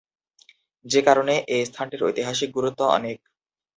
যে কারণে এ স্থানটির ঐতিহাসিক গুরুত্ব অনেক।